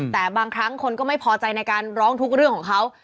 แต่บางครั้งคนก็ไม่พอใจในการร้องทุกเรื่องของเขา